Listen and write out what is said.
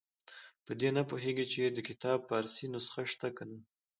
په دې نه پوهېږي چې د کتاب فارسي نسخه شته که نه.